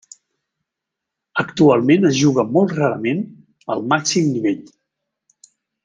Actualment es juga molt rarament al màxim nivell.